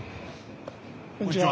こんにちは。